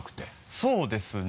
そうですね。